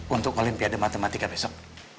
untuk olimpiade matematika besok